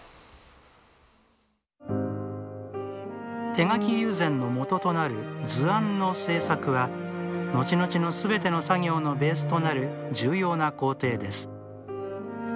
手描き友禅の元となる図案の製作は後々のすべての作業のベースとなる重要な工程です。